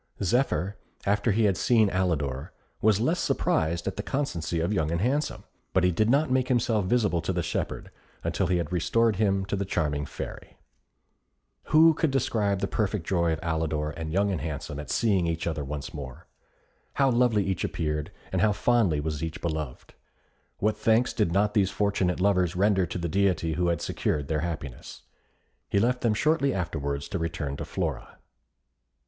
Zephyr, after he had seen Alidor, was less surprised at the constancy of Young and Handsome; but he did not make himself visible to the shepherd until he had restored him to the charming Fairy. Who could describe the perfect joy of Alidor and Young and Handsome at seeing each other once more? How lovely each appeared, and how fondly was each beloved! What thanks did not these fortunate lovers render to the Deity who had secured their happiness. He left them shortly afterwards to return to Flora.